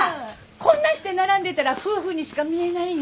こんなして並んでたら夫婦にしか見えないよ。